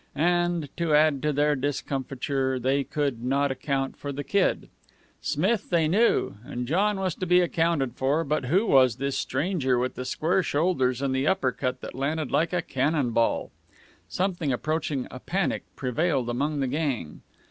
And, to add to their discomfiture, they could not account for the Kid. Smith they knew, and John was to be accounted for, but who was this stranger with the square shoulders and the uppercut that landed like a cannon ball? Something approaching a panic prevailed among the gang.